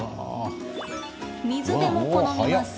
水辺も好みます。